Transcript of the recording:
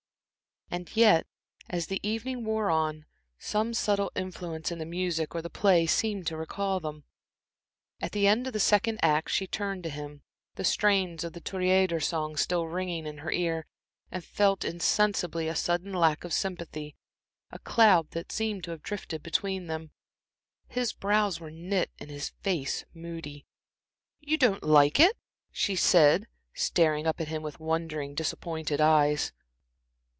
And yet, as the evening wore on, some subtle influence in the music or the play seemed to recall them. At the end of the second act she turned to him, the strains of the Toreador song still ringing in her ear, and felt, insensibly a sudden lack of sympathy, a cloud that seemed to have drifted between them. His brows were knit, his face moody. "You don't like it!" she said, staring up at him with wondering, disappointed eyes.